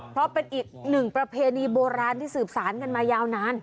เพราะเป็นอีกหนึ่งประเพณีโบราณที่สืบสารกันมายาวนาน